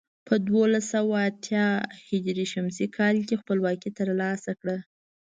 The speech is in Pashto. په دولس سوه اتيا ه ش کې خپلواکي تر لاسه کړه.